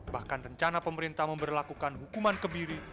bahkan rencana pemerintah untuk melakukan hukuman kebiri